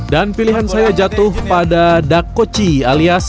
dan pilihan saya jatuh pada dacoci alias satu